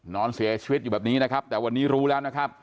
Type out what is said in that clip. นอนเสียชีวิตอยู่แบบนี้นะครับแต่วันนี้รู้แล้วนะครับ